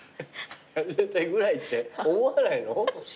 始めたいぐらいって思わないの？